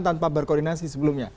tanpa berkoordinasi sebelumnya